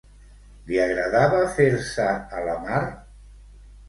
Li agradava fer-se a la mar?